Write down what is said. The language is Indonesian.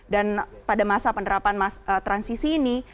dan pada masa penerapan transisi ini